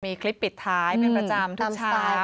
มีคลิปปิดท้ายเป็นประจำทุกเช้า